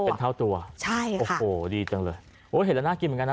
เป็นเท่าตัวใช่ค่ะโอ้โหดีจังเลยโอ้เห็นแล้วน่ากินเหมือนกันนะ